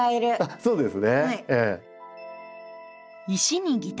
そうですね。